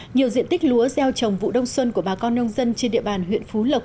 nhiều diện tích lúa gieo trồng vụ đông xuân của bà con nông dân trên địa bàn huyện phú lộc